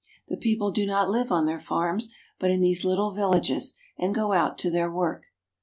The people do not live on their farms, but in these little villages, and go out to their work.